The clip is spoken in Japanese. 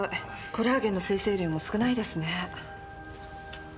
コラーゲンの生成量も少ないですね。